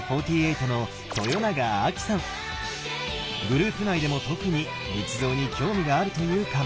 グループ内でも特に仏像に興味があるという彼女。